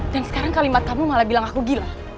dan sekarang kalimat kamu malah bilang aku gila